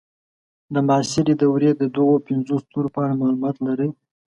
د معاصرې دورې د دغو پنځو ستورو په اړه معلومات لرئ.